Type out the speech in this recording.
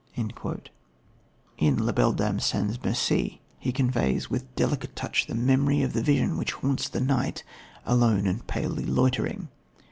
In La Belle Dame sans Merci he conveys with delicate touch the memory of the vision which haunts the knight, alone and palely loitering.